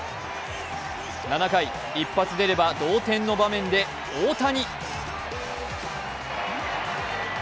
７回、一発出れば同点の場面で大谷。